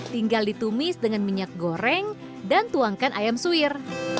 tinggal ditumis dengan minyak goreng dan tuangkan ayam suir